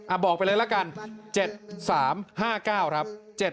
อ่ะบอกไปเลยละกัน๗๓๕๙ครับ๗๓๕๙